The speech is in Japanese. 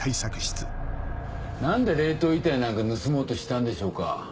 何で冷凍遺体なんか盗もうとしたんでしょうか。